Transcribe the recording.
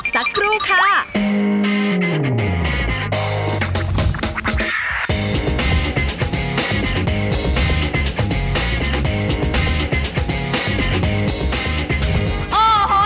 สักครู่